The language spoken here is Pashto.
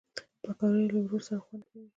پکورې له ورور سره خوند کوي